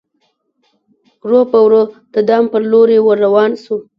ورو په ورو د دام پر لوري ور روان سو